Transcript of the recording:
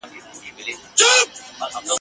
د غمونو ورا یې راغله د ښادیو جنازې دي ..